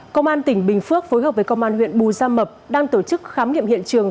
công an tỉnh bình phước phối hợp với công an huyện bù gia mập đang tổ chức khám nghiệm hiện trường